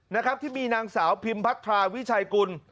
นะครับที่มีนางสาวพิมพัทราวิชัยกุล